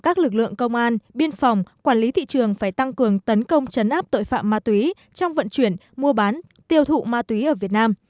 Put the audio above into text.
các lực lượng công an biên phòng quản lý thị trường phải tăng cường tấn công chấn áp tội phạm ma túy trong vận chuyển mua bán tiêu thụ ma túy ở việt nam